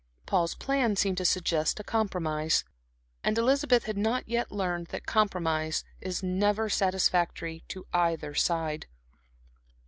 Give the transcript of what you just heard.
Paul's plan seemed to suggest a compromise. And Elizabeth had not yet learned that compromise is never satisfactory to either side.